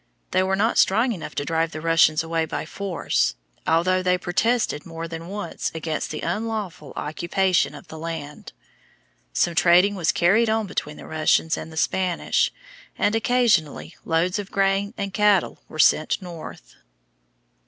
They were not strong enough to drive the Russians away by force, although they protested more than once against the unlawful occupation of the land. Some trading was carried on between the Russians and the Spanish, and occasionally loads of grain and cattle were sent north.